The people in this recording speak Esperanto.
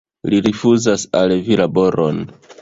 Li rifuzas al vi laboron.